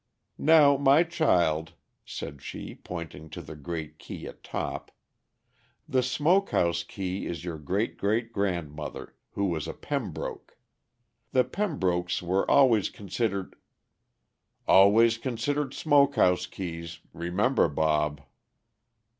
"Now my child," said she, pointing to the great key at top, "the smoke house key is your great great grandmother, who was a Pembroke. The Pembrokes were always considered " "Always considered smoke house keys remember, Bob."